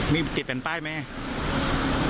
มีติดแผ่นป้ายไหม